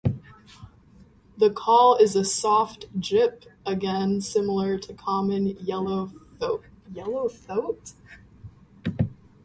The call is a soft "jip", again similar to common yellowthoat.